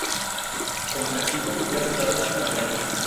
Como castigo, fue azotado hasta la muerte.